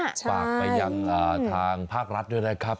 ฝากไปยังทางภาครัฐด้วยนะครับ